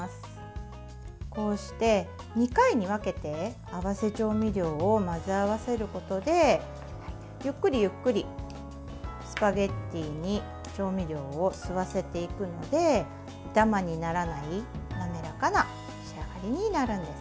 こうして２回に分けて合わせ調味料を混ぜ合わせることでゆっくりゆっくりスパゲッティに調味料を吸わせていくのでダマにならない滑らかな仕上がりになるんですね。